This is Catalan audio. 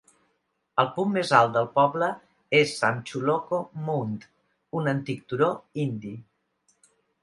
El punt més alt del poble és Sam Chuloco Mound, un antic turó indi.